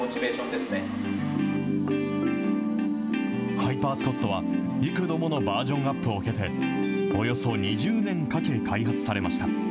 ハイパー・スコットは、いく度ものバージョンアップを経て、およそ２０年かけ開発されました。